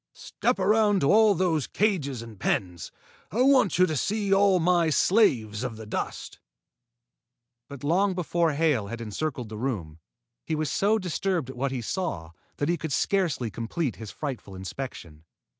"Step around to all those cages and pens. I want you to see all my slaves of the dust." But long before Hale had encircled the room, he was so disturbed at what he saw that he could scarcely complete his frightful inspection.